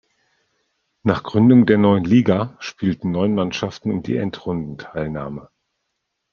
Nach Gründung der neuen Liga spielten neun Mannschaften um die Endrundenteilnahme.